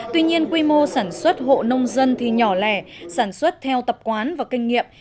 tuy nhiên quy mô sản xuất hộ nông dân thì nhỏ lẻ sản xuất theo tập quán và kinh nghiệm